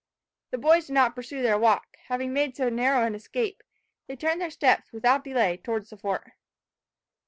The boys did not pursue their walk; having made so narrow an escape, they turned their steps, without delay, towards the fort.